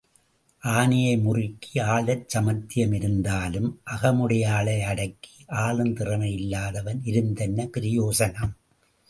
ஆனையை முறுக்கி ஆளச் சாமர்த்தியம் இருந்தாலும் அகமுடையாளை அடக்கி ஆளத் திறமை இல்லாதவன் இருந்தென்ன பிரயோசனம்?